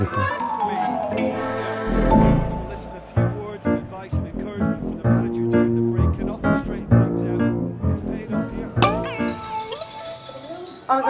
eh jangan dong